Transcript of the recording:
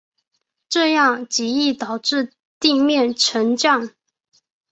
这样极易导致地面沉降。